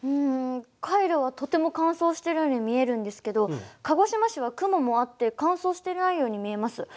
カイロはとても乾燥しているように見えるんですけど鹿児島市は雲もあって乾燥してないように見えます。